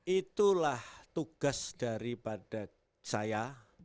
itulah tugas daripada saya